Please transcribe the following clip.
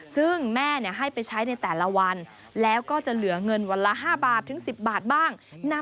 ซึ่งแม่ให้ไปใช้ในแต่ละวัน